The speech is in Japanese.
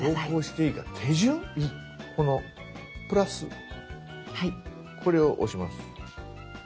このプラスこれを押します。